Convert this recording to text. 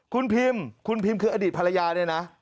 คุณพิมคุณพิมคืออดีตภรรยาเนี่ยนะ